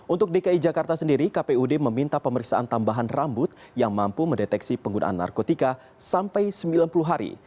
untuk dki jakarta sendiri kpud meminta pemeriksaan tambahan rambut yang mampu mendeteksi penggunaan narkotika sampai sembilan puluh hari